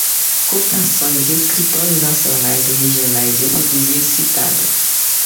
Cotações, escritórios nacionais e regionais, reproduzidos, citada